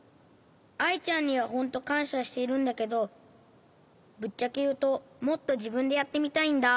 アイちゃんにはほんとかんしゃしてるんだけどぶっちゃけいうともっとじぶんでやってみたいんだ。